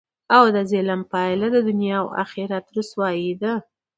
او دظلم پایله د دنیا او اخرت رسوايي ده،